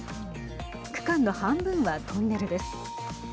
区間の半分はトンネルです。